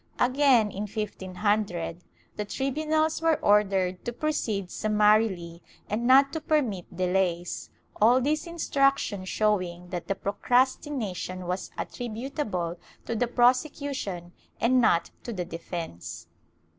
Again, in 1500, the tribunals were ordered to proceed summarily and not to permit delays — all these instructions showing that the pro crastination was attributable to the prosecution and not to the defence.